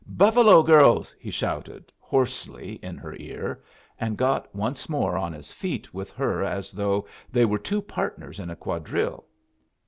"Buffalo Girls!" he shouted, hoarsely, in her ear, and got once more on his feet with her as though they were two partners in a quadrille.